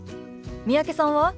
三宅さんは？